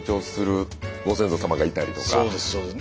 そうですそうです。